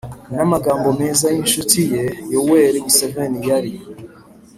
n'amagambo meza y'inshuti ye yoweri museveni, yari